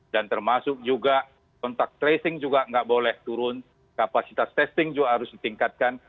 dan termasuk juga kontak tracing juga nggak boleh turun kapasitas testing juga harus ditingkatkan